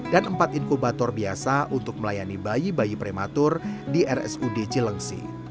dan empat inkubator biasa untuk melayani bayi bayi prematur di rsud cilengsi